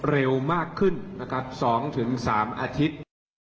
เร็วมากขึ้น๒๓อาทิตย์